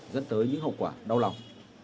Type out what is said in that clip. dẫn tới những hậu quả đau lòng